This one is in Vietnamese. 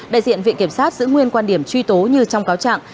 đại diện viện kiểm sát giữ nguyên quan điểm truy tố như trong cáo trạng